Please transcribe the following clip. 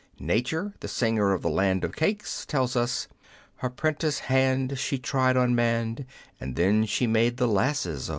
Nature, the singer of the Land of Cakes tells us, Her 'prentice hand she tried on man, And then she made the lasses, O.